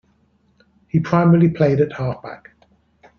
He primarily played at half-back.